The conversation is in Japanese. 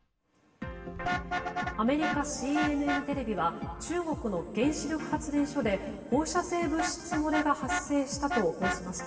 アメリカのＣＮＮテレビは中国の原子力発電所で放射線物質漏れが発生したと報じました。